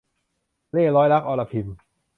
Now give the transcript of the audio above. เล่ห์ร้อยรัก - อรพิม